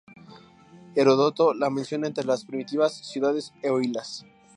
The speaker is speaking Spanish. Heródoto la menciona entre las primitivas ciudades eolias.